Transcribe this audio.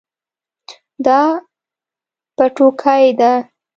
دا پټوکۍ ده